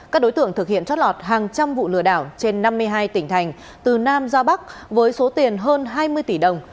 các đối tượng thực hiện trót lọt hàng trăm vụ lừa đảo trên năm mươi hai tỉnh thành từ nam ra bắc với số tiền hơn hai mươi tỷ đồng